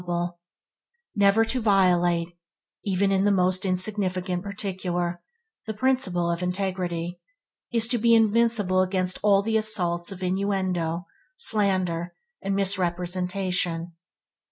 Never to violate, even in the most insignificant particular, the principle of integrity, is to be invincible against all the assaults of innuendo, slander, and misrepresentation.